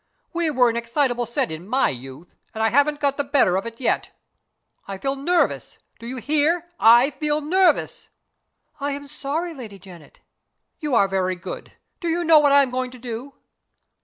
We were an excitable set in my youth and I haven't got the better of it yet. I feel nervous. Do you hear? I feel nervous." "I am sorry, Lady Janet." "You are very good. Do you know what I am going to do?"